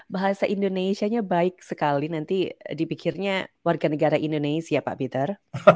bahasa indonesia nya baik sekali nanti dipikirnya warga negara indonesia pak peter